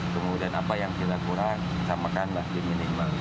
kemudian apa yang kita kurang kita makan lah di minimal